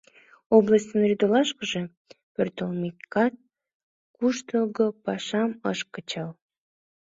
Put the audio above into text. Областьын рӱдолашкыже пӧртылмекат, куштылго пашам ыш кычал.